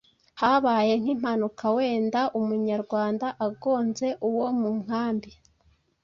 habaye nk’impanuka wenda umunyarwanda agonze uwo mu nkambi